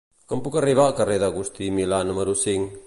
Com puc arribar al carrer d'Agustí i Milà número cinc?